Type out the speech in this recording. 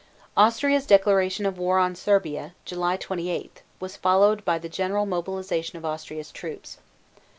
Austria's declaration of war on Serbia (July 28) was followed by the general mobilization of Austria's troops.